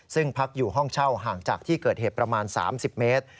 ซึ่งพักอยู่ห้องเช่าห่างจากที่เกิดเหตุประมาณ๓๐เมตร